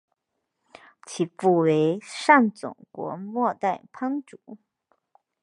其父为上总国末代藩主。